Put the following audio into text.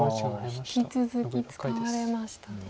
引き続き使われましたね。